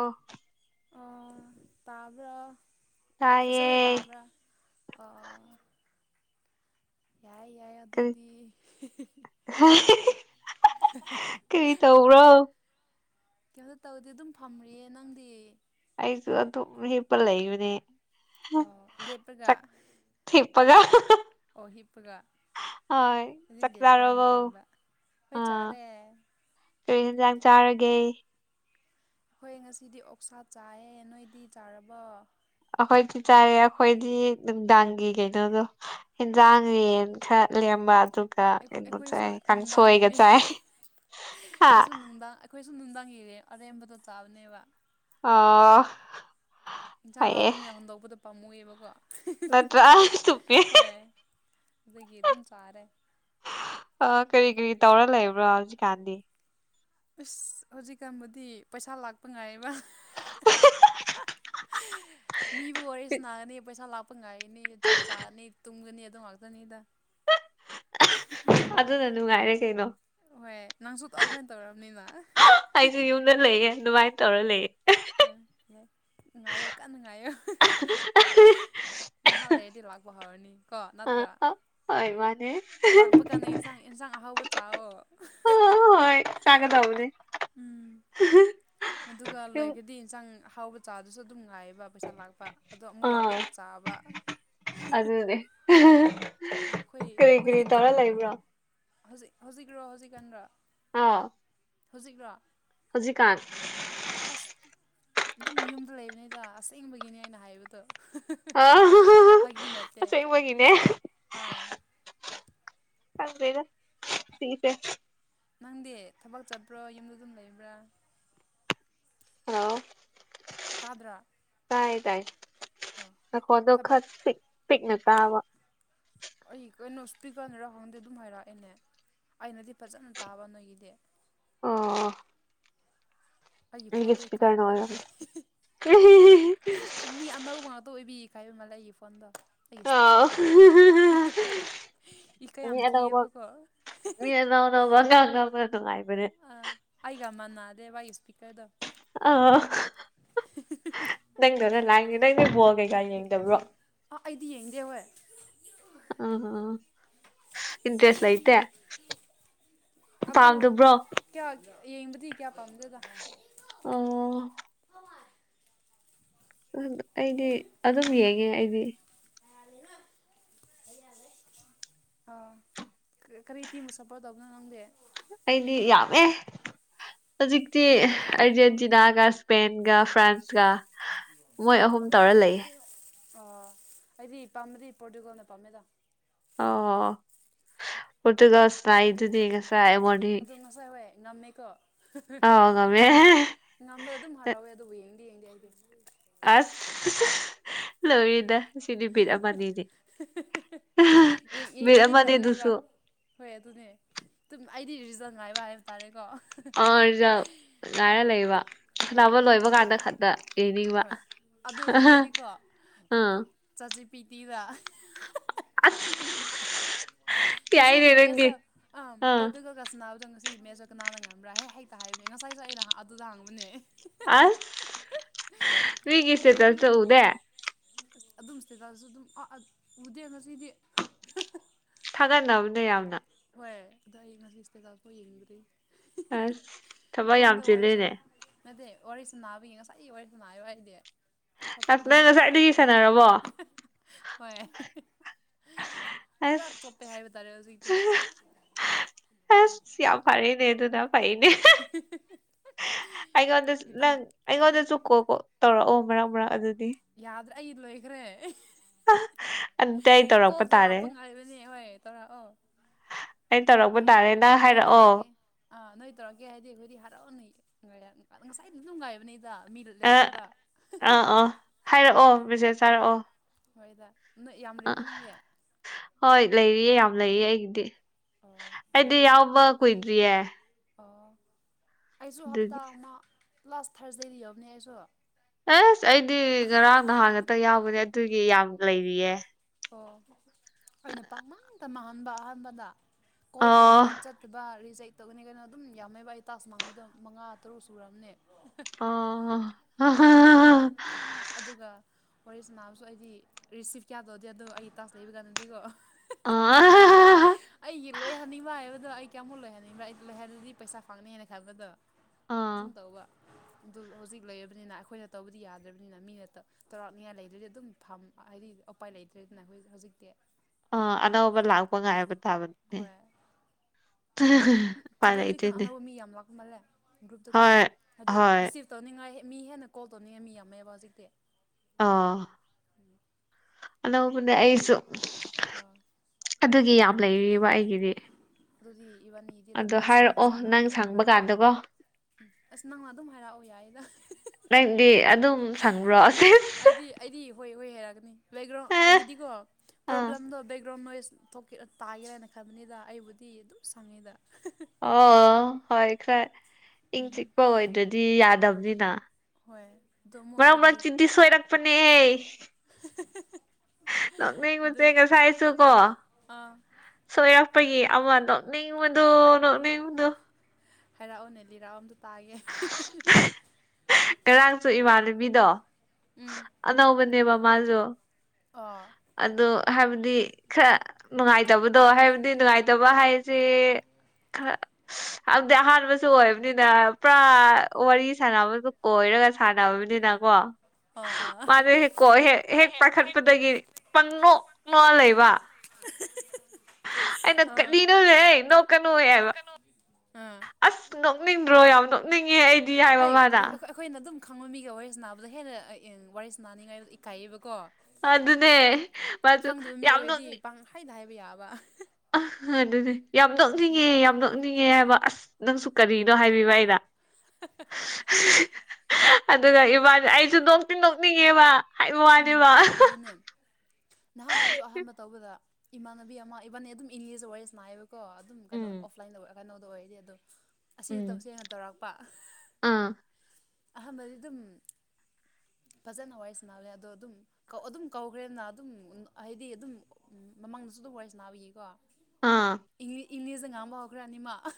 ꯑꯣ ꯑꯣ ꯇꯕ ꯐꯖꯅ ꯇꯥꯏꯌꯦ ꯇꯥꯕ꯭ꯔꯥ ꯑ ꯀ ꯀꯔꯤ ꯇꯧꯕ꯭ꯔꯣ ꯀꯩꯅꯣꯝꯇ ꯇꯧꯔꯗꯤ ꯑꯗꯨꯝ ꯐꯝꯔꯤꯌꯦꯦ ꯅꯪꯗꯤ ꯑꯩꯁꯨ ꯑꯗꯨ ꯑꯗꯨ ꯍꯄꯜ ꯂꯩ ꯏꯅꯦ ꯑꯣ ꯂꯦꯞꯄꯒ ꯊꯦꯛꯄꯒ ꯑꯣ ꯍꯤꯞꯄꯒ ꯍꯣꯏ ꯑꯗꯨꯗꯤ ꯂꯦꯞꯄ꯭ꯔꯥ ꯍꯥꯏꯅ ꯆꯥꯛꯇꯥꯥꯔꯔꯕꯧ ꯈꯟꯕ ꯍꯣꯏ ꯑ ꯆꯥꯔꯦ ꯑꯩꯈꯣꯏ ꯀꯔꯤꯖꯥꯡ ꯆꯥꯔꯒꯦ ꯍꯣꯏ ꯉꯁꯤꯗꯤ ꯑꯣꯛꯁꯥ ꯆꯥꯏꯌꯦꯦ ꯅꯣꯏꯗꯤ ꯆꯥꯔꯕꯣ ꯑꯩꯈꯣꯏ ꯄꯤ ꯆꯔꯦ ꯑꯩꯈꯣꯏꯗꯤ ꯅꯨꯡꯗꯥꯡꯒꯤ ꯀꯩꯅꯣꯗꯣ ꯍꯦꯟꯖꯥꯡ ꯌꯦꯦꯟ ꯈꯔ ꯂꯩꯑꯝꯕ ꯑꯗꯨ ꯑꯩꯈꯣꯏ ꯑꯩꯈꯣꯏꯁꯨ ꯆꯥꯏ ꯀꯥꯟ ꯁꯣꯏꯒ ꯅꯨꯡꯗꯥꯡꯒꯤꯅꯤ ꯆꯥꯏ ꯍꯥ ꯁ ꯅꯨꯡꯗꯥꯡ ꯏꯔꯦ ꯑꯔꯦꯝꯕꯗꯣ ꯆꯥꯕꯅꯦꯕ ꯑ ꯌꯦꯟꯁꯥꯡ ꯍꯥꯎꯕꯅꯤꯅ ꯍꯣꯟꯟꯗꯣꯛꯄꯗ ꯄꯥꯝꯃꯨꯏꯦꯕꯀꯣ ꯅꯠꯇ꯭ꯔꯥꯜ ꯆꯄꯦ ꯑꯗꯒꯤ ꯑꯗꯨꯝ ꯆꯥꯔꯦ ꯑ ꯀꯔꯤ ꯀꯔꯤ ꯇꯧꯔ ꯂꯩꯕ꯭ꯔꯣ ꯍꯧꯖꯤꯛꯀꯥꯟꯗꯤ ꯑꯁ ꯍꯧꯖꯤꯛꯀꯥꯟꯕꯨꯗꯤ ꯄꯩꯁꯥ ꯂꯥꯛꯄ ꯉꯥꯏꯔꯤꯕ ꯃꯤꯕꯨ ꯋꯥꯔꯤꯦ ꯁꯅꯥꯒꯅꯤ ꯄꯩꯁꯥ ꯂꯥꯛꯞꯄ ꯉꯥꯏ ꯃꯤ ꯆꯥꯛ ꯆꯥꯅꯤ ꯇꯨꯝꯒꯅꯤ ꯑꯗꯨꯝ ꯉꯥꯛꯇꯅꯤꯗ ꯑꯗꯨꯅ ꯅꯨꯡꯉꯥꯏꯔꯦ ꯀꯩꯅꯣ ꯍꯣꯏ ꯅꯪꯁꯨ ꯑꯗꯨꯃꯥꯏꯅ ꯇꯧꯔꯔꯕꯅꯤꯅ ꯑꯩꯁꯨ ꯌꯨꯝꯗ ꯂꯩꯌꯦ ꯑꯗꯨꯃꯥꯏꯅ ꯇꯧꯔ ꯂꯩ ꯉꯌ ꯀꯥꯟ ꯉꯌꯣ ꯉꯥꯏ ꯍꯂꯏ ꯂꯥꯛꯄ ꯍꯥꯏꯔꯅꯤ ꯑ ꯍꯣꯏ ꯃꯥꯅꯦ ꯂꯥꯛꯄ ꯀꯥꯟꯗ ꯏꯟꯁꯥꯡ ꯑꯦꯟꯁꯥꯡ ꯑꯍꯥꯎꯕ ꯆꯥꯛꯑꯣ ꯗꯥꯎꯗ ꯑꯗꯨꯒ ꯂꯣꯏꯔꯒꯗꯤ ꯏꯟꯁꯥꯡ ꯍꯥꯎꯕ ꯆꯥꯗꯨꯁꯨ ꯑꯗꯨ ꯑꯗꯨꯝ ꯉꯥꯏꯌꯦꯕ ꯄꯩꯁꯥ ꯂꯥꯛꯄ ꯑꯗꯣ ꯑꯃꯨꯛ ꯑꯥ ꯂꯥꯛꯄꯗ ꯆꯥꯕ ꯑꯗꯨꯅꯦ ꯑꯩꯈꯣꯏ ꯀꯔꯤ ꯀꯔꯤ ꯇꯔꯥ ꯂꯏꯕꯥ ꯍꯧꯖꯤꯛ꯭ꯔꯣ ꯍꯧꯖꯤꯛꯀꯥꯟ꯭ꯔꯣ ꯑꯥ ꯍꯧꯖꯤꯛ꯭ꯔꯣ ꯍꯧꯖꯤꯀꯥꯥꯟ ꯑꯁ ꯑꯗꯨꯝ ꯌꯨꯝꯗ ꯂꯩꯕꯅꯤꯗ ꯑꯁꯦꯡꯕꯒꯤꯅꯤ ꯍꯥꯏꯅ ꯍꯥꯏꯕꯗꯣ ꯐꯥꯒꯤ ꯅꯠꯇꯦ ꯑꯁꯦꯡ ꯃꯒꯤꯅꯦ ꯑꯥ ꯐꯪꯦꯅ ꯊꯁꯦ ꯅꯪꯗꯤ ꯊꯕꯛ ꯆꯠꯄ꯭ꯔꯣ ꯌꯨꯝꯗ ꯑꯗꯨꯝ ꯂꯩꯕ꯭ꯔꯥ ꯍꯂ ꯇꯥꯗ꯭ꯔ ꯇꯥꯏ ꯇꯥꯏ ꯅꯈꯣꯗꯣ ꯊꯕꯛ ꯈꯔ ꯄꯤꯛ ꯄꯤꯛꯅ ꯇꯥꯕ ꯑꯩ ꯀꯩꯅꯣ ꯏꯁꯄꯤꯀꯅꯔ ꯈꯪꯗꯦ ꯑꯗꯨꯝ ꯍꯥꯏꯔꯛꯑꯦꯅꯦ ꯑꯩꯅꯗꯤ ꯐꯖꯅ ꯇꯥꯕ ꯅꯣꯏꯒꯤꯗꯤ ꯑꯣ ꯑꯩꯒꯤ ꯐꯣꯟꯗꯣ ꯏ ꯀꯥꯏꯕ ꯏꯁꯄꯤꯀꯔꯅ ꯃꯥꯜꯂꯦ ꯑꯣꯏꯔꯝꯅꯤ ꯃꯤ ꯑꯅꯧꯕ ꯉꯥꯛꯇ ꯑꯣꯏꯕꯤ ꯀꯥꯏ ꯃ ꯏ ꯐꯣꯟꯗ ꯑꯩꯒꯤ ꯑꯥꯎ ꯏꯁꯄꯤꯀꯔꯗ ꯏꯀ ꯌꯥꯝ ꯊꯤꯑꯕꯀꯣ ꯅꯧꯅꯉꯥꯡ ꯉꯅ ꯅꯨꯡꯉꯥꯏꯕꯅꯦ ꯃꯅꯅꯥꯗꯦ ꯥꯏ ꯁꯄꯤꯀꯔꯗꯣ ꯑ ꯅꯪꯗ ꯅ ꯂꯥꯏꯗ ꯅꯪꯗꯤ ꯕꯣꯜ ꯀꯩꯀꯥ ꯌꯦꯡꯗꯕ꯭ꯔꯣ ꯑꯥ ꯑꯩꯗꯤ ꯌꯦꯡꯗꯦ ꯍꯦ ꯑ ꯏꯟꯇꯔꯦꯁ ꯂꯩꯇꯦ ꯄꯥꯝꯗꯕ꯭ꯔꯣ ꯑꯩꯕꯊꯤ ꯀꯦꯌꯥ ꯄꯝꯗꯗ ꯑꯣ ꯑꯩꯗꯤ ꯑꯗꯨꯝ ꯌꯦꯡꯉꯦ ꯑꯩꯗꯤ [unintelligible] ꯑ ꯀꯔꯤ ꯊꯤꯃ ꯁꯄꯣꯔ ꯇꯧꯕꯅꯣ ꯈꯪꯗꯦ ꯑꯩꯗꯤ ꯌꯥꯝꯃꯦ ꯍꯧꯖꯤꯛꯇꯤ ꯑꯔꯖꯦꯟꯇꯤꯅꯥꯒ ꯏꯁꯄꯦꯟꯒ ꯐ꯭ꯔꯥꯟꯁꯀ ꯃꯣꯏ ꯑꯍꯨꯝ ꯇꯧꯔ ꯂꯩꯌꯦ ꯑ ꯑꯩꯗꯤ ꯄꯥꯝꯃꯦꯗꯤ ꯄ꯭ꯔꯣꯇꯀꯣꯜꯅ ꯄꯥꯝꯃꯦꯗ ꯑ ꯇꯒ ꯁꯅꯥ ꯑꯗꯨ ꯑꯗꯨ ꯏꯗꯨꯗꯤꯒꯁꯥꯏ ꯃ ꯑꯗꯨ ꯉꯁꯥꯏ ꯍꯣꯏ ꯉꯝꯃꯦꯀꯣ ꯑ ꯉꯃꯃꯦ ꯉꯝꯕꯗ ꯑꯗꯨꯝ ꯍꯔꯥꯎꯋꯦ ꯑꯗꯨꯕꯨ ꯌꯦꯡꯗꯤ ꯌꯦꯡꯗꯤ ꯍꯥꯏꯗꯤ ꯑꯁ ꯂꯣꯏꯔꯤꯗ ꯁꯤ ꯅꯨ ꯠ ꯑꯃꯅꯤꯅꯦ ꯕꯤꯠ ꯌꯦꯡꯕꯨꯗꯤ ꯑꯃꯅꯦ ꯑꯗꯨꯁꯨ ꯇꯜꯂꯦꯕ ꯍꯣꯏ ꯑꯗꯨꯅꯦ ꯑꯩꯗꯤ ꯔꯤꯖꯟ ꯉꯥꯏꯕ ꯍꯥꯏꯕ ꯇꯥꯔꯦꯀꯣ ꯑ ꯂꯥꯏꯔ ꯂꯩꯕ ꯑꯥ ꯑꯅꯥꯅꯕ ꯂꯣꯏꯕ ꯑꯗꯨ ꯀꯥꯟꯗ ꯈꯛꯇ ꯌꯦꯡꯅꯤꯡꯕ ꯍꯣꯏ ꯑꯗꯨꯁꯨ ꯀꯩꯗꯤꯀꯣ ꯑꯥ ꯄꯤꯇꯗ ꯑꯁ ꯌꯥꯏꯅꯦ ꯅꯪꯗꯤ ꯉꯁꯤꯒꯤꯃꯦꯗ ꯑ ꯑꯥ ꯄꯗꯨꯨꯒꯒꯥꯁꯅꯕ ꯆꯪ ꯁꯤ ꯃꯦꯁꯨ ꯀꯅꯥꯅ ꯉꯕ꯭ꯔꯥꯍꯦ ꯍꯩꯛꯇ ꯍꯥꯏꯕꯅꯦ ꯉꯁꯥꯏꯁꯨ ꯑꯩꯅ ꯑꯗꯨꯗ ꯍꯥꯡꯕꯅꯦ ꯑꯁ ꯃꯤꯒꯤꯁꯦ ꯆꯜ ꯆ ꯎꯗꯦ ꯑ ꯑꯗꯨꯝ ꯁꯤꯩꯗꯁꯨ ꯑꯗꯨꯝ ꯎꯗꯦ ꯉꯁꯤꯗꯤ ꯊꯥꯒꯠꯅꯕꯅꯦ ꯌꯥꯝꯅ ꯍꯣꯏ ꯑꯗ ꯑꯩ ꯉꯁꯤ ꯏꯁꯇꯦꯇꯥꯐꯥꯎ ꯌꯦꯡꯗ꯭ꯔꯤ ꯑꯁ ꯊꯕꯛ ꯌꯥꯝ ꯐꯣꯟꯗ ꯋꯥꯔꯤ ꯁꯥ ꯆꯦꯜꯜꯂꯤꯅꯦ ꯅꯠꯇꯦ ꯋꯥꯔꯤꯁꯨ ꯅꯥꯕꯒꯤ ꯉꯁꯥꯏ ꯑꯩ ꯋꯥꯔꯤꯁꯨ ꯅꯥꯏ ꯋꯥꯔꯤꯗꯤ ꯐꯀ ꯑꯁ ꯅꯪ ꯅꯤ ꯉꯁꯥꯏꯗꯒꯤ ꯁꯥꯟꯅꯔꯕꯣ ꯍꯣꯏ ꯄꯨꯔꯥ ꯆꯣꯞꯄꯦ ꯍꯥꯏꯕ ꯇꯥꯔꯦ ꯍꯧꯖꯤꯛꯇꯤ ꯑ ꯌꯥ ꯌꯥꯝ ꯐꯔꯅꯦꯗꯨꯅ ꯐꯥꯏꯅꯦ ꯑꯩꯉꯣꯟꯗꯁꯨ ꯈꯤꯇꯪ ꯅꯪ ꯑꯩꯈꯣꯏ ꯑꯩꯉꯣꯟꯗꯁꯨ ꯀꯣ ꯀꯣ ꯇꯧꯔꯛꯑꯣ ꯃꯔꯛ ꯃꯔꯥꯡ ꯑꯗꯨꯗꯤ ꯌꯥꯗ꯭ꯔꯦ ꯑꯩ ꯂꯣꯏꯈ꯭ꯔꯦ ꯑ ꯀꯣꯜ ꯇꯧꯔꯛꯄ ꯉꯥꯏꯕꯅꯦ ꯍꯣꯏ ꯇꯧꯔꯛꯑꯣ ꯑꯩ ꯇꯧꯔꯛꯄ ꯅ ꯇꯥꯔꯦ ꯅꯪ ꯅ ꯍꯥꯏꯔꯛꯑꯣ ꯇꯧꯔꯛꯑꯦ ꯑ ꯅ ꯇꯧꯔꯛꯒꯦ ꯍꯥꯏꯗꯤꯈꯗꯤ ꯍꯔꯥꯎꯑꯣ ꯉꯣ ꯉꯁꯥꯏꯗ ꯅꯨꯡ ꯉꯥꯏꯕꯅꯤꯗ ꯃꯤ ꯑ ꯂꯩꯗꯕ ꯑꯥ ꯑꯥ ꯍꯥꯏꯔꯛꯑꯣ ꯕꯤꯖꯦ ꯁꯥ ꯍꯥꯏꯔꯛꯑꯣ ꯍꯣꯏꯗ ꯅꯣꯏ ꯑ ꯌꯥꯝꯔꯤꯕ ꯅꯪꯒꯤ ꯍꯣꯏ ꯂꯩꯔꯤꯌꯦ ꯌꯥꯝ ꯂꯩꯌꯦ ꯑꯩꯒꯤꯗꯤ ꯑꯣ ꯑꯩꯗꯤ ꯑꯗꯨꯗꯤ ꯌꯥꯎꯕ ꯀꯨꯏꯗ꯭ꯔꯤꯌꯦ ꯑꯣ ꯑꯩꯁꯨ ꯍꯞꯇꯥ ꯑꯗꯨꯒꯤ ꯑꯃ ꯂꯥꯁ ꯊꯥꯔꯁꯗꯦꯗ ꯌꯎꯕꯅꯦ ꯑꯩꯁꯨ ꯑꯦꯁ ꯑꯩꯗꯤ ꯉꯔꯥꯡ ꯅꯍꯥꯟ ꯉꯇ ꯌꯥꯎꯕꯅꯦ ꯑꯗꯨꯒꯤ ꯌꯥꯝ ꯂꯩꯔꯤꯌꯦ ꯑꯣ ꯑꯩꯅ ꯄꯥꯛꯃꯥꯡꯗ ꯃꯥꯡꯍꯟꯕ ꯑꯍꯥꯟꯕꯗ ꯀꯣꯜ ꯑꯣ ꯇꯣꯅꯤ ꯆꯠ ꯔ ꯆ ꯍꯛꯇꯒꯅꯤ ꯀꯩꯅꯣ ꯑꯗꯨꯝ ꯌꯥꯝꯃꯦꯕ ꯑꯩ ꯇꯥꯁ ꯃꯥꯡꯕꯗꯣ ꯃꯉꯥ ꯇꯔꯨꯛ ꯁꯨꯨꯔꯔꯕꯅꯦ ꯑ ꯑꯗꯨꯒ ꯍꯣꯔꯦꯁꯅꯥꯕꯁꯨ ꯑꯩꯗꯤ ꯔꯤꯁꯤꯞ ꯀꯌꯥꯗꯧꯗꯦ ꯑꯗꯣ ꯑꯩꯒꯤ ꯇꯥꯁ ꯂꯩꯕ ꯀꯥꯟꯗꯗꯤꯀꯣ ꯑꯥ ꯑꯩꯒꯤ ꯂꯣꯏ ꯍꯅꯤꯡꯕ ꯍꯥꯏꯕ ꯑꯗꯣ ꯑꯩ ꯀꯌꯥꯃꯨꯛ ꯂꯣꯏꯍꯟꯅꯤꯡꯕ꯭ꯔꯥ ꯑꯩ ꯂꯣꯏꯍꯜꯂꯗꯤ ꯄꯩꯁꯥ ꯐꯪꯅꯤꯅ ꯈꯟꯕꯗꯣ ꯑꯗꯨꯨꯝ ꯇꯧꯕ ꯑꯗꯨ ꯍꯧꯖꯤꯛ ꯂꯩꯔꯕꯅꯤꯅ ꯑꯩꯈꯣꯏꯅ ꯇꯧꯕꯗꯤ ꯌꯥꯗ꯭ꯔꯕꯅꯤꯅ ꯃꯤꯅ ꯆꯥꯎꯔꯥꯛꯅꯤꯡꯉꯥꯏ ꯂꯩꯗ꯭ꯔꯗꯤ ꯑꯗꯨꯝ ꯐ ꯍꯥꯏꯗꯤ ꯎꯄꯥꯏ ꯂꯩꯇ꯭ꯔꯦꯅ ꯍꯧꯖꯤꯛ ꯃꯇꯇ ꯑꯥ ꯑꯅꯧꯕ ꯂꯥꯛꯄ ꯉꯥꯏꯕ ꯇꯥꯕꯅꯦ ꯍꯣꯏ ꯄꯔꯥꯏꯇꯅꯦ ꯊꯨꯝꯃꯜꯂꯦ ꯒ꯭ꯔꯨꯞꯇꯨꯀꯣ ꯍꯥꯏꯗꯤ ꯍꯣꯏ ꯔꯤꯁꯤꯞ ꯇꯧꯅꯤꯡꯉꯥꯏ ꯃꯤ ꯍꯦꯟꯅ ꯀꯣꯜ ꯇꯧꯅꯤꯡꯉꯦ ꯃꯤ ꯌꯥꯝꯃꯦꯑꯕ ꯍꯧꯖꯤꯛꯇꯤ ꯑ ꯑ ꯄꯨꯟꯅ ꯑꯩꯁꯨ ꯑꯥ ꯑꯗꯨꯒꯤ ꯌꯥꯝ ꯑꯗꯨꯗꯤ ꯂꯩꯔꯤꯕ ꯑꯩꯒꯤꯗꯤ ꯑꯗꯨꯗꯤ ꯏꯕꯥꯅꯤꯗꯤ ꯑꯗꯨꯝ ꯑꯗꯣ ꯍꯥꯏꯔꯛꯑꯣ ꯅꯪ ꯁꯪꯕ ꯀꯥꯟꯗꯀꯣ ꯎꯝ ꯑꯁ ꯅꯪꯅ ꯑꯗꯨꯝ ꯍꯥꯏꯔꯛꯑꯣ ꯌꯥꯏꯗ ꯇ ꯁꯪ꯭ꯔꯣ ꯑꯦ ꯑꯩꯗꯤ ꯑꯩꯗꯤ ꯍꯣꯏ ꯍꯣꯏ ꯍꯥꯏꯔꯛꯒꯅꯤ ꯕꯦꯛꯒ꯭ꯔꯥꯎꯟ ꯑꯩꯒꯤꯗꯤꯀꯣ ꯑꯥ ꯄ꯭ꯔꯣꯕ꯭ꯂꯦꯝꯗꯣ ꯕꯦꯛꯒ꯭ꯔꯥꯎꯟ ꯅꯣꯏꯁ ꯊꯣꯛꯀꯦ ꯇꯥꯒꯦꯔꯅ ꯈꯟꯕꯅꯤꯗ ꯑꯩꯕꯨꯗꯤ ꯑꯗꯨꯝ ꯁꯪꯉꯤꯗ ꯑꯣ ꯍꯣꯏ ꯈꯔ ꯏꯪ ꯆꯤꯛꯄ ꯑꯣꯏꯗ꯭ꯔꯗꯤ ꯌꯥꯗꯕꯅꯤꯅ ꯍꯣꯏ ꯑꯗꯣ ꯑꯃꯨꯛ ꯃꯔꯛ ꯑꯩꯈꯣꯏꯗꯤ ꯃꯔꯛ ꯆꯤꯟꯊꯤ ꯁꯣꯏꯔꯛꯄꯅꯦꯍ ꯅꯣꯛꯅꯤꯡꯉꯨ ꯑꯗꯨ ꯎꯆꯦꯒ ꯆꯥꯏꯁꯨ ꯀꯣ ꯑꯥ ꯁꯣꯏꯔꯞꯄꯒꯤ ꯑꯃ ꯅꯣꯛꯅꯤꯡꯕꯗꯣ ꯅꯣꯛꯅꯤꯡꯕꯗꯣ ꯍꯩꯔꯥꯛꯑꯣꯅꯦ ꯂꯤꯔꯥꯛ ꯑꯝꯇ ꯇꯥꯒꯦ ꯀꯔꯥꯡꯁꯨ ꯏꯃꯥꯟꯅꯕꯤꯗꯣ ꯎꯝ ꯑꯅꯧꯕꯅꯦꯕ ꯃꯥꯁꯨ ꯑꯣ ꯑꯗꯨꯣ ꯍꯥꯏꯕꯗꯤ ꯈꯔ ꯅꯨꯡꯉꯥꯏꯇꯕꯗꯣ ꯍꯥꯏꯕꯗꯤ ꯅꯨꯡꯉꯥꯏꯇꯕ ꯍꯥꯏꯁꯦ ꯈꯔ ꯑꯝꯗꯤ ꯑꯍꯥꯟꯕꯁꯨ ꯑꯣꯏꯕꯅꯤꯅ ꯄꯨꯔꯥ ꯋꯥꯔꯤ ꯁꯥꯟꯅꯕ ꯑꯣꯏꯔꯒ ꯁꯥꯟꯅꯕꯅꯤꯅꯀꯣ ꯑ ꯑꯥ ꯑꯥ ꯃꯥꯁ ꯍꯦꯛꯀꯣ ꯍꯦꯛ ꯍꯦꯛ ꯄꯥꯏꯈꯠꯄꯗꯒꯤ ꯄꯪꯅꯣꯛꯅꯣꯛ ꯂꯩꯕ ꯑꯩꯅ ꯑꯥ ꯀꯅ ꯅ ꯀꯅ ꯑꯣꯏꯕ ꯅꯣꯛꯀꯅꯨ ꯑꯥ ꯅꯣꯛꯅꯤꯡꯗ꯭ꯔꯣ ꯌꯥꯝ ꯅꯣꯛꯅꯤꯡꯉꯦ ꯑꯩꯗꯤ ꯍꯥꯏꯕ ꯍꯩ ꯃꯥꯗ ꯑꯩꯈꯣꯏꯅ ꯑꯗꯨꯝ ꯈꯪꯕ ꯃꯤꯒ ꯋꯥꯔꯤꯁ ꯅꯥꯕꯗ ꯍꯦꯟꯅ ꯋꯥꯔꯤꯁ ꯅꯤꯡꯉꯥꯏ ꯏꯀꯥꯏꯌꯦꯕꯀꯣ ꯑꯗꯨꯅꯦ ꯃꯥꯁꯨ ꯈꯪꯗꯕ ꯃꯤ ꯌꯥꯝ ꯑꯣꯏꯔꯗꯤ ꯅꯅꯨꯡꯅꯤ ꯄꯪꯍꯥꯏꯗ ꯍꯥꯏꯕ ꯌꯥꯕ ꯑ ꯑꯗꯨꯗꯤ ꯌꯥꯝ ꯅꯣꯛꯅꯤꯡꯉꯦ ꯌꯥꯝ ꯅꯣꯛꯅꯤꯡꯉ ꯉ ꯍꯥꯏꯕ ꯑꯁ ꯅꯪꯁꯨ ꯀꯔꯤꯅꯣ ꯍꯥꯏꯕꯤꯕ ꯑꯩꯅ ꯑꯗꯨꯒ ꯏꯕꯥꯅꯤ ꯑꯩꯁꯨ ꯅꯣꯛꯇꯤꯡ ꯅꯣꯛꯅꯤꯡꯉꯦꯕ ꯍꯥꯏꯕ ꯎꯝ ꯋꯥꯅꯦꯕ ꯑꯗꯨꯅꯦ ꯅꯍꯥꯟ ꯑꯩꯁꯨ ꯑꯍꯥꯟꯕ ꯇꯧꯕꯗ ꯏꯃꯥꯟꯅꯕꯤ ꯑꯃ ꯏꯕꯥꯅꯤ ꯑꯗꯨꯝ ꯏꯪꯂꯤꯁꯇ ꯋꯥꯔꯤꯁ ꯅꯥꯌꯦꯕꯀꯣ ꯑꯗꯨꯝ ꯀꯩꯅꯣ ꯎꯝ ꯑꯣꯐꯂꯥꯏꯟꯗ ꯀꯩꯅꯣꯗꯣ ꯑꯣꯏꯗꯤ ꯑꯗꯣ ꯑꯁꯤ ꯎꯝ ꯇꯧꯁꯦꯡꯅ ꯇꯧꯔꯛꯄ ꯑꯥ ꯑꯍꯝ ꯃꯗꯤ ꯑꯗꯨꯝ [unintelligible] ꯐꯖꯅ ꯋꯥꯔꯤꯏ ꯁꯅꯥꯂꯦ ꯑꯗꯣ ꯑꯗꯨꯝꯧ ꯑꯗꯨꯝ ꯀꯧꯈ꯭ꯔꯦꯅ ꯑꯗꯨꯝ ꯍꯥꯏꯗꯤ ꯑꯗꯨꯝ ꯃꯃꯥꯡꯗꯁꯨ ꯑꯗꯨ ꯋꯥꯔꯤꯁ ꯅꯥꯕꯤꯒꯤꯌꯦꯀꯣ ꯑꯥ ꯏꯅꯦꯖꯤꯡ ꯑꯃ ꯃꯈ꯭ꯔꯥꯅꯤꯃ ꯃꯥ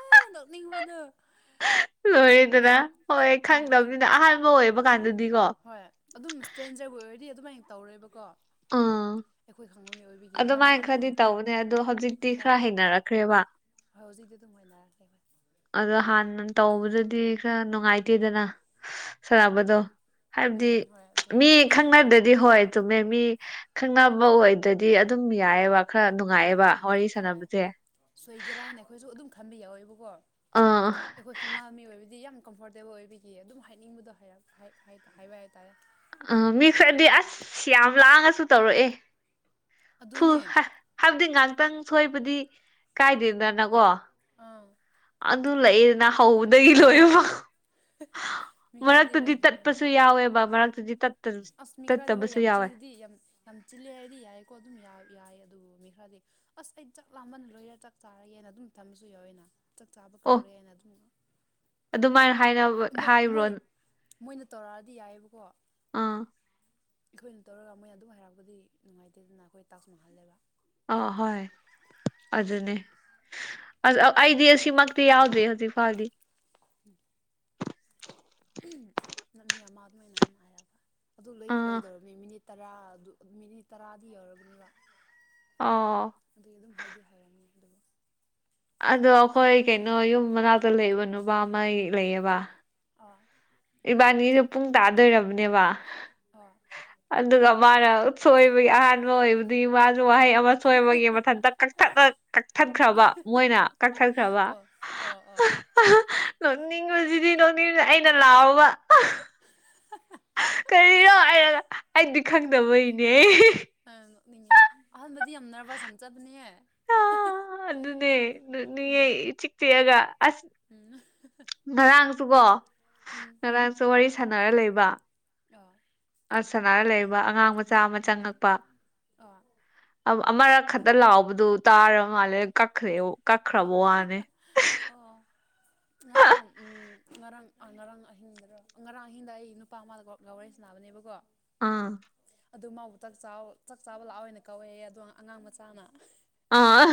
ꯑꯦ ꯅꯣꯛꯅꯤꯡꯕꯗ ꯍ ꯑꯣꯏꯗꯗ ꯍꯣꯏ ꯍ ꯈꯪꯗꯕꯅꯤꯅ ꯑꯍꯥꯟꯕ ꯑꯣꯏꯕ ꯀꯥꯟꯗꯗꯤꯀꯣ ꯍꯣꯏ ꯑꯗꯨꯝ ꯏꯁꯇ꯭ꯔꯦꯟꯖꯔꯕꯨ ꯑꯣꯏꯔꯗꯤ ꯑꯗꯨꯃꯥꯏꯅ ꯇꯧꯔꯦꯕꯀꯣ ꯑꯥ ꯃꯃꯥꯡ ꯑꯗꯨꯃꯥꯏꯅ ꯑꯗꯨꯝ ꯈꯔꯗꯤ ꯇꯧꯅꯦ ꯑꯣ ꯍꯧꯖꯤꯛꯇꯤ ꯈꯔ ꯍꯩꯅꯔꯛꯈ꯭ꯔꯦꯕ ꯍꯧꯖꯤꯛꯤ ꯑꯗꯨꯝ ꯑꯣꯏꯅꯔꯦ ꯑꯗꯣ ꯍꯥꯟꯅ ꯇꯧꯕꯗꯗꯤ ꯈꯔ ꯅꯨꯡꯉꯥꯏꯇꯦꯗꯅ ꯁꯥꯟꯅꯕꯗꯣ ꯍꯥꯏꯕꯗꯤ ꯎꯝ ꯍꯣꯏ ꯑꯗꯨꯅꯦ ꯃꯤ ꯈꯪꯅꯗ꯭ꯔꯗꯤ ꯍꯣꯏ ꯇꯨꯝꯃꯦ ꯃꯤ ꯈꯪꯅꯕ ꯑꯣꯏ ꯑꯗꯗꯤ ꯑꯗꯨꯝ ꯌꯥꯏꯑꯕ ꯈꯔ ꯍꯣꯏ ꯅꯨꯡꯉꯥꯏꯑꯦꯕ ꯑꯗꯨꯝ ꯋꯥꯔꯤ ꯍꯣꯏ ꯁꯥꯟꯅꯕꯁꯦ ꯊꯝꯕꯤ ꯌꯥꯎꯋꯦꯕꯀꯣ ꯑꯥ ꯑꯩꯈꯣꯏ ꯈꯪ ꯃꯤꯑꯣ ꯑꯣꯏꯕꯗꯤ ꯌꯥꯝ ꯀꯝꯐꯣꯔꯇꯦꯕꯜ ꯑꯣꯏꯕꯤꯈꯤ ꯑꯗꯨꯝ ꯍꯥꯏꯅꯤꯡꯕꯗꯣ ꯍꯥꯏꯕ ꯍꯥꯏ ꯑꯥ ꯃꯤ ꯈꯔꯗꯤ ꯑꯁ ꯌꯥꯝ ꯂꯥꯡꯉꯁꯨ ꯇꯧꯔꯛꯑꯦ ꯐꯨ ꯑꯗꯨꯅꯦ ꯍꯥꯏꯕꯗꯤ ꯉꯍꯥꯛꯇꯪ ꯁꯣꯏꯕꯗꯤ ꯀꯥꯏꯗꯦꯗꯅꯀꯣ ꯑꯥ ꯑꯗꯨ ꯂꯩꯑꯗꯅ ꯍꯧꯕꯗꯒꯤ ꯂꯣꯏꯕ ꯃꯤ ꯈꯔꯗꯤ ꯍꯣꯏ ꯃꯔꯛꯇꯨꯗꯤ ꯑꯗꯨꯅꯦ ꯇꯠꯄꯁꯨ ꯌꯥꯎꯋꯦꯕ ꯃꯔꯛꯇꯗꯤ ꯇꯠꯇꯕꯁꯨ ꯌꯥꯎꯋꯦ ꯅꯝꯁꯤꯤꯜꯂ ꯍꯥꯏꯗꯤ ꯌꯥꯏꯀꯣ ꯑꯗꯨꯝ ꯌꯥꯏ ꯑꯗꯨ ꯃꯤ ꯈꯔꯗꯤ ꯑꯁ ꯑꯩ ꯆꯥꯛ ꯂꯥꯝꯃꯟ ꯂꯣꯏꯔꯦ ꯆꯥꯛ ꯆꯥꯔꯒꯦꯅ ꯑꯗꯨꯝ ꯊꯝꯕꯁꯨ ꯌꯥꯎꯋꯦꯅ ꯆꯥꯛ ꯆꯥꯕ ꯑꯣ ꯀꯧꯔꯦꯅ ꯑꯗꯨꯝ ꯑꯗꯨꯃꯥꯏꯅ ꯍꯥꯏ ꯃꯣꯏ ꯍꯥꯏꯕ꯭ꯔꯣ ꯃꯣꯏ ꯃꯣꯏꯅ ꯇꯧꯔꯛꯑꯗꯤ ꯌꯥꯏꯑꯕꯀꯣ ꯑꯥ ꯑꯩꯈꯣꯏꯅ ꯇꯧꯔꯒ ꯃꯣꯏꯅ ꯑꯗꯨꯝ ꯍꯥꯏꯔꯛꯄꯗꯤ ꯅꯨꯡꯉꯥꯏꯇꯦꯗꯅ ꯑꯩꯈꯣꯏ ꯇꯥꯛꯁ ꯃꯍꯜꯂꯦꯕ ꯑ ꯍꯣꯏ ꯑꯗꯨꯅꯦ ꯑꯩꯗꯤ ꯑꯁꯤꯃꯛꯇꯤ ꯌꯥꯎꯗ꯭ꯦ ꯍꯧꯖꯤꯛ ꯐꯥꯎꯗꯤ ꯎꯝ ꯃꯤ ꯑꯃ ꯑꯗꯨꯃꯥꯏꯅ ꯍꯥꯏꯔꯕ ꯑꯗꯨ ꯂꯩꯗꯤ ꯑꯥ ꯂꯣꯏꯗꯧꯅꯤ ꯃꯤꯅꯤꯠ ꯇꯔꯥ ꯃꯤꯅꯤꯠ ꯇꯔꯥꯗꯤ ꯌꯧꯔꯕꯅꯤꯅꯥꯛ ꯑꯣ ꯑꯗꯨꯒꯤ ꯑꯗꯨꯝ ꯍꯥꯏꯗꯤ ꯍꯥꯏꯔꯝꯅꯤ ꯑꯗꯨꯕꯨ ꯑꯗꯣ ꯑꯩꯈꯣꯏ ꯀꯩꯅꯣ ꯌꯨꯝ ꯃꯅꯥꯛꯇ ꯂꯩꯕꯅꯣꯕ ꯑꯃ ꯂꯩꯌꯦꯕ ꯑꯥ ꯏꯕꯥꯅꯤꯁꯨ ꯄꯨꯡ ꯇꯥꯗꯣꯏꯔꯕꯅꯦꯕ ꯑꯥ ꯑꯗꯨꯒ ꯃꯥꯅ ꯁꯣꯏꯕꯒꯤ ꯑꯍꯥꯟꯕ ꯑꯣꯏꯕꯗꯤ ꯃꯥꯁꯨ ꯋꯥꯍꯩ ꯑꯃ ꯁꯣꯏꯕꯒꯤ ꯃꯊꯟꯇ ꯀꯛꯊꯠꯅ ꯀꯛꯊꯠꯈ꯭ꯔꯕ ꯃꯣꯏꯅ ꯀꯛꯊꯠꯈ꯭ꯔꯕ ꯑꯣ ꯑꯣ ꯑꯣ ꯅꯣꯛꯅꯤꯡꯕꯁꯤꯗꯤ ꯅꯣꯛꯅꯤꯡꯕꯁꯦ ꯑꯩꯅ ꯂꯥꯎꯕ ꯀꯔꯤꯅꯣ ꯍꯥꯏꯔꯒ ꯑꯩꯗꯤ ꯈꯪꯗꯕꯒꯤꯅꯦ ꯑꯗꯗꯤ ꯌꯥꯝ ꯅꯔꯚꯁ ꯑꯃ ꯆꯠꯄꯅꯦꯍ ꯑ ꯑꯗꯨ ꯑꯗꯨꯅꯦ ꯅꯌꯦꯦ ꯆꯤꯛꯇ ꯌꯥꯒ ꯑꯁ ꯉꯔꯥꯡꯁꯨꯀꯣ ꯎꯝ ꯉꯔꯥꯡꯁꯨ ꯋꯥꯔꯤ ꯁꯥꯟꯅꯔ ꯂꯩꯕ ꯑ ꯁꯅꯥꯔ ꯂꯩꯕ ꯑꯉꯥꯡ ꯃꯆꯥ ꯑꯃ ꯆꯪꯉꯛꯄ ꯑ ꯑꯃꯔꯛ ꯈꯛꯇ ꯂꯥꯎꯕꯗꯨ ꯇꯥ ꯃꯥꯜꯂꯦ ꯀꯛꯈ꯭ꯔꯦ ꯑꯣ ꯀꯛꯈ꯭ꯔꯕ ꯋꯥꯅꯦ ꯑꯣ ꯉꯔꯥꯡ ꯎꯝ ꯉꯔꯥꯡ ꯉꯔꯥꯡ ꯑꯍꯤꯡꯗꯣ ꯉꯔꯥꯡ ꯑꯍꯤꯡꯗ ꯑꯩ ꯅꯨꯄꯥ ꯑꯃꯗ ꯒꯔꯦꯁ ꯅꯥ ꯃꯅꯦꯕꯀꯣ ꯑꯥ ꯑꯗꯨ ꯃꯥꯕꯨꯥꯛ ꯆꯥꯛ ꯆꯥꯕ ꯂꯥꯛꯑꯣꯏ ꯑꯣꯏꯅ ꯀꯧꯋꯦ ꯑꯗꯣ ꯑꯉꯥꯡ ꯃꯆꯥꯅ ꯑꯥ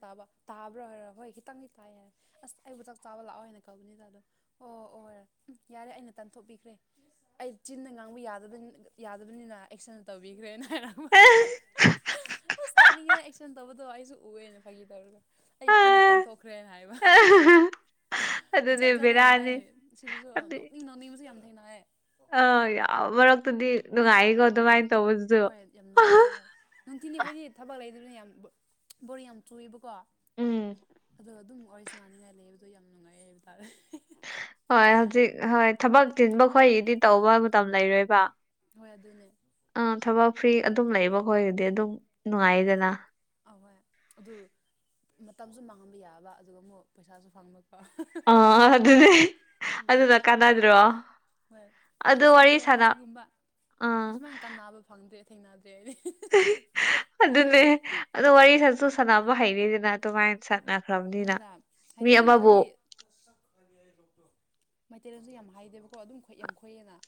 ꯇꯥꯕ꯭ꯔꯣ ꯍꯥꯏꯔ ꯍꯣꯏ ꯈꯤꯇꯪꯗꯤ ꯇꯥꯏ ꯍꯥꯏꯔ ꯑꯁ ꯑꯩꯕꯨ ꯆꯥꯛ ꯆꯥꯕ ꯂꯥꯛꯑꯣ ꯍꯥꯏꯅ ꯀꯧꯕꯅꯤꯖꯗꯣ ꯑꯣ ꯑꯣ ꯍꯣꯏ ꯎꯝ ꯌꯥꯔꯦ ꯑꯩꯅ ꯇꯥꯟꯊꯣꯛꯄꯤꯈ꯭ꯔꯦ ꯑꯩ ꯆꯤꯟꯅ ꯉꯥꯡꯕ ꯌꯥ ꯌꯥꯗꯕꯅꯤꯅ ꯑꯦꯛꯁꯟ ꯇꯧꯕꯤꯈ꯭ꯔꯦꯅ ꯍꯥꯏꯔ ꯑꯁ ꯅꯣꯛꯅꯤꯡꯉꯦ ꯑꯦꯛꯁꯟ ꯇꯧꯕꯗꯣ ꯑꯩꯁꯨ ꯎꯑꯦꯅ ꯐꯈꯤ ꯇꯧꯔꯒ ꯑꯩ ꯈꯨꯠꯅ ꯇꯥꯟꯊꯣꯛꯈ꯭ꯔꯦꯅ ꯍꯥꯏꯕ ꯑꯗꯨꯅꯦ ꯖꯥꯠ ꯖꯠ ꯊꯦꯡꯅꯌꯦ ꯕꯦꯔꯥꯅꯤ ꯁꯤꯗꯁꯨ ꯍꯥꯏꯗꯤ ꯅꯣꯛꯅꯤꯡ ꯅꯣꯡꯅꯤꯡꯕꯨꯁꯨ ꯌꯥꯝ ꯊꯦꯡꯅꯑꯌꯦ ꯑꯥ ꯌꯥꯎ ꯃꯔꯛꯇꯨꯗꯤ ꯅꯨꯡꯉꯥꯏꯀꯣ ꯑꯗꯨꯃꯥꯏꯅ ꯇꯧꯕꯗꯨꯁꯨ ꯍꯣꯏ ꯌꯥꯝ ꯅꯨꯡꯉꯥꯏꯌꯦꯦꯗ ꯍꯣꯏ ꯅꯨꯡꯊꯤꯅꯤ ꯑꯩꯈꯣꯏꯗꯤ ꯊꯕꯛ ꯂꯩꯗꯅ ꯌꯥꯝ ꯕꯣꯣꯔ ꯌꯥꯝ ꯆꯨꯏꯕꯀꯣ ꯎꯝ ꯑꯗꯣ ꯑꯗꯨꯝ ꯋꯥꯔꯤꯁꯅꯥꯅꯤꯡꯉꯥꯏ ꯂꯩꯕꯗꯣ ꯌꯥꯝ ꯅꯨꯡꯉꯥꯏ ꯍꯥꯏꯕ ꯇꯥꯔꯦ ꯍꯣꯏ ꯍꯧꯖꯤꯛ ꯍꯣꯏ ꯊꯕꯛ ꯇꯤꯟꯕ ꯈꯣꯗꯤ ꯇꯧꯕ ꯃꯇꯝ ꯂꯩꯔꯣꯏꯕ ꯍꯣꯏ ꯑꯗꯨꯅꯦ ꯑꯥ ꯊꯕꯛ ꯐ꯭ꯔꯤ ꯑꯗꯨꯝ ꯂꯩꯕ ꯑꯩꯈꯣꯏꯒꯤꯗꯤ ꯑꯗꯨꯝ ꯅꯨꯡꯉꯥꯏꯗꯅ ꯑꯍꯣꯏ ꯑꯗꯨ ꯃꯇꯝꯁꯨ ꯃꯥꯡꯍꯟꯕ ꯌꯥꯕ ꯑꯗꯨꯒ ꯑꯃꯨꯛ ꯄꯩꯁꯥꯁꯨ ꯐꯪꯕ ꯑꯥ ꯑꯗꯨꯗꯤ ꯎꯝ ꯑꯗꯨꯅ ꯀꯥꯟꯅꯗ꯭ꯔꯣ ꯍꯣꯏ ꯑꯗꯨ ꯄꯨꯟꯁꯤꯗꯤ ꯋꯥꯔꯤ ꯁꯥꯟꯅ ꯑꯁꯤꯒꯨꯝꯕ ꯑꯥ ꯑꯁꯨꯃꯥꯏꯅ ꯀꯥꯟꯕ ꯐꯪꯗ꯭ꯔꯦ ꯊꯦꯡꯅꯗ꯭ꯔꯦ ꯍꯥꯏꯗꯤ ꯑꯗꯨꯅꯦ ꯑ ꯋꯥꯔꯤ ꯁꯠꯁꯨ ꯁꯥꯟꯅꯕ ꯍꯩꯔꯤꯁꯤꯅ ꯑꯗꯨꯃꯥꯏꯅ ꯁ ꯍꯣꯏꯗ ꯍꯥꯏꯗꯤ ꯑꯗꯨꯝ ꯑꯩꯣꯏꯗꯤ ꯃꯩꯇꯩꯔꯣꯟꯁꯨ ꯌꯥꯝ ꯍꯥꯏꯗꯦꯕꯀꯣ ꯑꯗꯨꯝ ꯌꯥꯝ ꯈꯣꯏꯑꯦꯅ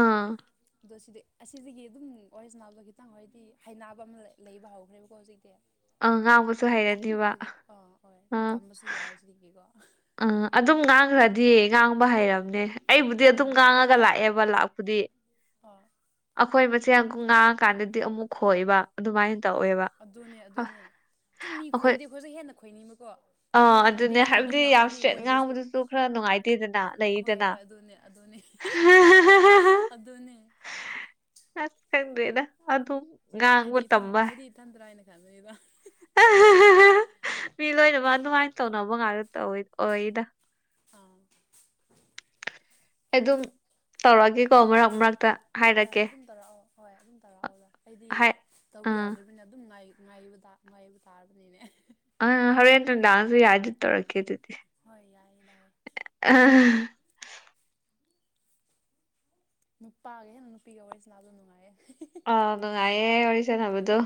ꯑꯥ ꯑꯗꯣ ꯁꯤꯗꯤ ꯑꯁꯤꯗꯒꯤ ꯑꯗꯨꯝ ꯋꯥꯔꯤꯏꯁꯅꯥꯎꯗꯣ ꯈꯤꯇꯪ ꯍꯥꯏꯔꯗꯤ ꯍꯕ ꯑꯃ ꯂꯩꯕ ꯍꯧꯈ꯭ꯔꯦꯕꯀꯣ ꯍꯧꯖꯤꯛꯇꯤ ꯑꯪ ꯉꯥꯡꯕꯁꯨ ꯍꯥꯏꯔꯅꯦꯕ ꯈꯤꯇꯪꯕꯨꯗꯤ ꯑꯥ ꯍꯣꯏ ꯇꯝꯕꯁꯨ ꯌꯥꯏ ꯁꯤꯗꯒꯤꯀꯣ ꯑ ꯑꯗꯨꯝ ꯉꯥꯡꯈ꯭ꯔꯗꯤ ꯉꯥꯡꯕ ꯍꯥꯏꯔꯕ ꯑꯩꯕꯨꯗꯤ ꯑꯗꯨꯝ ꯎꯝ ꯉꯥꯡꯉꯒ ꯂꯥꯛꯑꯦꯕ ꯂꯥꯛꯄꯨꯗꯤ ꯑꯥ ꯑꯩꯈꯣꯏ ꯁꯦ ꯑꯃ ꯉꯥꯡꯉꯀꯥꯟꯗꯗꯤ ꯑꯃꯨꯛ ꯈꯏꯕ ꯑꯗꯨꯃꯥꯏꯅ ꯇꯧꯋꯦꯕ ꯑꯗꯨꯨꯝ ꯃꯤ ꯑꯩꯈꯣꯏ ꯈꯣꯏꯔꯗꯤꯦ ꯑꯩꯣꯏꯁꯨꯛ ꯍꯦꯟꯅ ꯈꯣꯏꯅꯤꯡꯕꯀꯣ ꯃꯣꯏ ꯃꯩꯇꯩꯁꯤꯡꯗꯣ ꯗꯤ ꯌꯥꯝ ꯏꯁꯇ꯭ꯔꯦꯠ ꯉꯥꯡꯕꯗꯨꯁꯨ ꯈꯔ ꯅꯨꯡꯉꯥꯏꯇꯦꯗꯅ ꯍꯣꯏ ꯂꯩꯗꯅ ꯑꯗꯨꯗꯅꯦ ꯍꯁ ꯈꯟ꯭ꯔꯦꯗ ꯑꯗꯨ ꯑꯗꯨ ꯑꯩꯗꯤ ꯏꯟ ꯑꯩꯗꯤ ꯏꯊꯟꯗ꯭ꯔꯥ ꯍꯥꯏꯅ ꯈꯪꯅꯅꯤꯗ ꯃꯤ ꯂꯣꯏꯅꯃꯛ ꯑꯗꯨꯃꯥꯏꯅ ꯇꯧꯅꯕ ꯉꯥꯛꯇ ꯇꯧꯋ ꯑꯣꯏꯗ ꯑꯥ ꯑꯩ ꯑꯗꯨꯝ ꯇꯧꯔꯒꯦꯀꯣ ꯃꯔꯛ ꯃꯔꯛ ꯍꯣꯏ ꯔ ꯑꯗꯨꯝ ꯇꯧꯔꯛꯑꯣ ꯍꯣꯏ ꯑꯗꯨꯝ ꯇꯧꯔꯛꯑꯣ ꯔ ꯑꯩꯗꯤ ꯍꯥꯏ ꯇꯧꯕ ꯑꯥ ꯌꯥꯗꯣꯔꯤꯕꯅ ꯑꯗꯨꯝ ꯉꯥꯏ ꯉꯥꯏꯕ ꯉꯥꯏꯕ ꯇꯥꯔꯕꯅꯤꯅꯦ ꯑ ꯍꯔꯦꯦꯟ ꯇ ꯗꯗꯥꯥꯟꯁ ꯌꯥꯗꯠ ꯇꯧꯔꯛꯀꯦꯗꯠ ꯍꯣꯏ ꯌꯥꯏꯌꯦꯗ ꯍꯣꯏ ꯑ [unintelligible] [inaudible] ꯅꯨꯄꯥꯒ ꯍꯦꯅ ꯅꯨꯄꯤꯒ ꯋꯥꯔꯤꯁꯤ ꯂꯗꯣ ꯅꯨꯡꯉꯥꯏꯌꯦ ꯑ ꯅꯨꯡꯉꯥꯏꯑꯦ ꯑꯣꯏꯁ ꯅꯕꯗꯨꯣ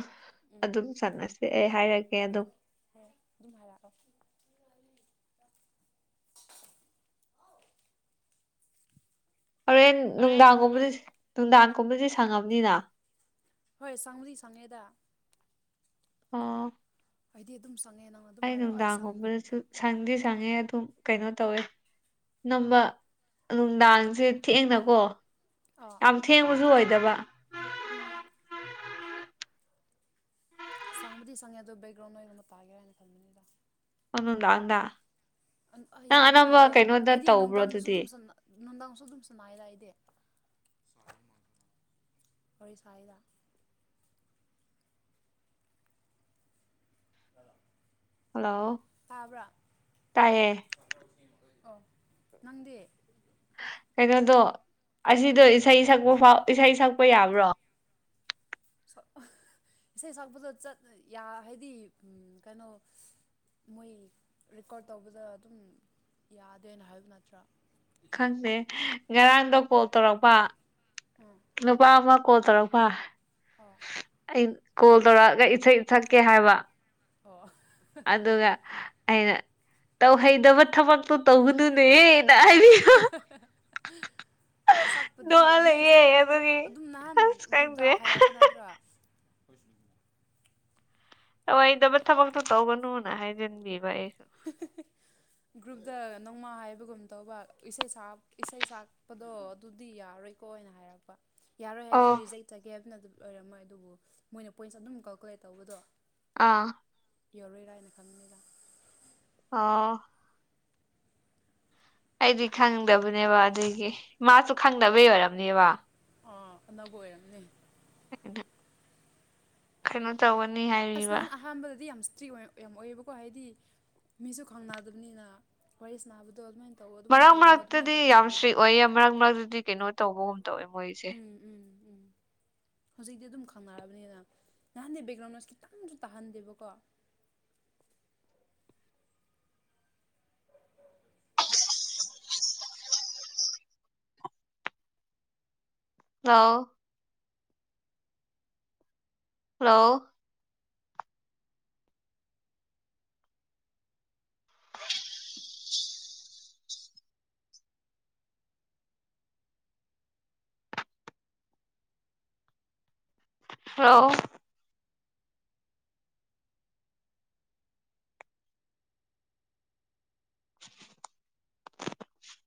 ꯎꯝ ꯑꯗꯨꯝ ꯆꯥꯟꯅꯁ ꯑꯩ ꯍꯥꯏꯔꯒꯦ ꯑꯗꯨꯝ ꯍꯣꯏ ꯍꯣꯏ ꯑꯗꯨꯝ ꯍꯔꯥꯑꯣ ꯍꯣꯔꯦꯟ ꯅꯨꯡꯗꯥꯡꯒꯨꯝꯕꯗꯤ ꯅꯨꯡꯗꯥꯡꯒꯨꯝꯕꯗꯤ ꯁꯪꯉꯕꯅꯤꯅ ꯍꯣꯏ ꯁꯪꯂꯤ ꯁꯪꯉꯦꯗ ꯑꯥ [unintelligible] [inaudible] ꯑꯩꯗꯤ ꯑꯗꯨꯝ ꯁꯪꯉꯦ ꯅꯪꯅ ꯑꯗꯨꯝ ꯑꯩ ꯍꯥꯏꯔꯛꯑꯣ ꯁꯪꯗ ꯅꯨꯡꯗꯥꯡꯒꯨꯝꯕꯗꯁꯨ ꯁꯪꯗꯤ ꯁꯪꯉꯦ ꯑꯗꯨ ꯁꯨꯝ ꯀꯩꯅꯣ ꯇꯧꯋꯦ ꯅꯝꯕ ꯅꯨꯡꯗꯥꯡꯁꯦ ꯊꯦꯡꯅꯀꯣ ꯑꯥ ꯌꯥꯝ ꯊꯦꯡꯉꯁꯨ ꯑꯣꯏꯗꯕ ꯎꯝ [unintelligible] [inaudible] ꯁꯥꯡꯕꯨꯗꯤ ꯁꯪꯉꯦ ꯑꯗꯣ ꯕꯦꯛꯒ꯭ꯔꯥꯎꯟ ꯑꯣꯏꯣꯏꯒꯕ ꯇꯥꯒꯦ ꯍꯥꯏꯅ ꯈꯟꯕꯅꯤꯗ ꯑꯣꯗꯥꯗ ꯑ ꯌꯥꯏ ꯑꯗꯨꯝ ꯌꯥꯏꯑ ꯑꯩꯗꯤ ꯇꯧꯕ꯭ꯔꯣ ꯅꯨꯡꯗꯥꯡꯗꯁꯨ ꯑꯗꯨꯗꯤ ꯑꯗꯨꯝ ꯆ ꯅꯨꯡꯗꯥꯡꯁꯨ ꯑꯗꯨꯝ ꯁꯅꯥꯏꯔꯏꯗꯤ ꯋꯥꯔꯤ ꯁꯥꯏꯗ ꯍꯜꯂꯣ ꯇꯥꯕ꯭ꯔꯥ ꯇꯥꯏꯌꯦ ꯑꯣ ꯅꯪꯗꯤ ꯀꯩꯅꯣꯗꯣ ꯑꯁꯤꯗꯣ ꯏꯁꯩ ꯁꯛꯄ ꯐꯥꯎ ꯏꯁꯩ ꯁꯛꯄ ꯌꯥꯕ꯭ꯔꯣ [unintelligible] [inaudible] ꯏꯁꯩ ꯁꯛꯄꯗꯠ ꯍꯥꯏꯗꯤ ꯀꯩꯅꯣ ꯃꯣꯏ ꯔꯦꯀꯣꯔꯠ ꯇꯧꯕꯗ ꯑꯗꯨꯝ ꯌꯥꯗꯦꯅ ꯍꯥꯏꯕ ꯅꯠꯇ꯭ꯔꯥ ꯈꯪꯗꯦ ꯉꯔꯥꯡꯗ ꯀꯣꯜ ꯇꯧꯔꯛꯄ ꯎꯝ ꯅꯨꯄꯥ ꯑꯃ ꯀꯣꯜ ꯇꯧꯔꯛꯄ ꯑꯣ ꯑꯩ ꯀꯣꯜ ꯇꯧꯔꯛꯑꯒ ꯏꯊꯛ ꯏꯊꯛꯀꯦ ꯍꯥꯏꯕ ꯑꯣ ꯑꯗꯨꯒ ꯑꯩꯅ ꯇꯧꯍꯩꯗꯕ ꯊꯕꯛꯇꯣ ꯇꯧꯒꯅꯨꯅꯦꯍ [unintelligible] [inaudible] ꯁꯛꯄꯗꯤ ꯅꯣꯏ ꯏꯁꯩ ꯑꯗꯨꯝ ꯅꯍꯥꯟ ꯑꯁ ꯒ꯭ꯔꯨꯞꯇ ꯈꯪꯗ꯭ꯔꯦ ꯍꯥꯏꯔꯛꯄ ꯅꯠꯇ꯭ꯔꯣ ꯇꯑꯣꯩꯗꯕ ꯊꯕꯛꯇꯣ ꯇꯧꯒꯅꯨꯅ ꯍꯥꯏꯖꯟꯕꯤꯕ ꯑꯩꯁ [unintelligible] [inaudible] ꯒ꯭ꯔꯨꯞꯇ ꯅꯣꯡꯃꯥ ꯍꯥꯏꯕꯒꯨꯝ ꯇꯧꯕ ꯏꯁꯩ ꯏꯁꯩ ꯁꯛꯄꯗꯣ ꯑꯗꯨꯗꯤ ꯌꯥꯔꯣꯏꯀꯣ ꯑꯣꯏꯅ ꯍꯥꯏꯔꯛꯄ ꯌꯥꯔꯣꯏ ꯍꯥꯏꯗꯤ ꯑꯣ ꯔꯤꯖꯦꯛ ꯆꯒꯦ ꯍꯥꯏꯕꯅ ꯑꯗꯨꯝ ꯑꯣꯏꯔꯝꯃꯣꯏ ꯑꯗꯨꯕꯨ ꯃꯣꯏꯅ ꯄꯣꯏꯟꯁ ꯑꯗꯨꯝ ꯀꯥꯜꯀꯨꯂꯦꯠ ꯇꯧꯕꯗꯣ ꯑꯥ ꯌꯧꯔꯣꯏꯔꯥ ꯍꯥꯏꯅ ꯈꯪꯅꯤꯗ ꯑꯣ ꯑꯩꯗꯤ ꯈꯪꯗꯕꯅꯦꯕ ꯑꯗꯨꯗꯒꯤ ꯃꯥꯁꯨ ꯈꯪꯗꯕꯩ ꯑꯣꯏꯝꯅꯦꯕ ꯑꯥ ꯑꯅꯧꯕ ꯑꯣꯏꯔꯝꯅꯦ ꯀꯩꯅꯣ ꯇꯧꯕꯅꯤ ꯑꯁ ꯑꯍ [inaudible] ꯐ꯭ꯔꯤ ꯌꯥꯝ ꯑꯣꯏꯌꯦꯕꯀꯣ ꯍꯥꯏꯗꯤ ꯃꯤꯁꯨ ꯈꯪꯅꯗꯕꯅꯤꯅ ꯋꯥꯔꯤ ꯁꯥ ꯅꯥꯕꯗꯣ ꯑꯗꯨꯃꯥꯏꯅ ꯇꯧ ꯑꯗꯨꯃꯥꯏꯅ ꯃꯔꯛ ꯇꯧꯅꯨ ꯑꯗꯨꯃꯥꯏꯅ ꯃꯔꯛꯇꯗꯤ ꯇꯧꯅꯤ ꯌꯥꯝ ꯍꯥꯏꯕꯗꯣ ꯏꯁꯇ꯭ꯔꯤꯛ ꯑꯣꯏꯌꯦ ꯃꯔꯛ ꯃꯔꯛꯇꯗꯤ ꯀꯩꯅꯣ ꯇꯧꯕꯒꯨꯝ ꯇꯧꯋꯦ ꯃꯣꯏꯁꯦ ꯎꯝ ꯎꯝ ꯎꯝ [unintelligible] [inaudible] ꯍꯧꯖꯤꯛꯇꯤ ꯑꯗꯨꯝ ꯈꯪꯅꯔꯕꯅꯤꯅ ꯅꯍꯥꯟꯗ ꯕꯦꯛꯒ꯭ꯔꯥꯎꯟꯗꯁ ꯈꯤꯇꯪꯁꯨ ꯇꯥꯍꯟꯗꯦꯕꯀꯣ [unintelligible] ꯍ ꯍꯜꯂꯣ ꯍꯂꯣ [unintelligible]